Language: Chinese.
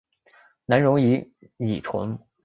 难溶于乙醇。